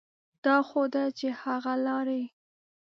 دا خو ده چې هغه لاړې.